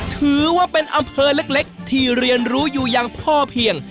ถือว่าเป็นอำเภอเล็กที่เรียนรู้อยู่อย่างพ่อเพียง